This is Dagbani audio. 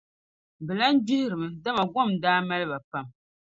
bɛ lan gbihirimi, dama gom n-daa mali ba pam.